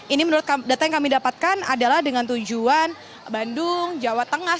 ini menurut data yang kami dapatkan adalah dengan tujuan bandung jawa tengah